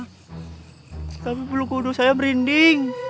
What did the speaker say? tapi bulu kuduk saya berinding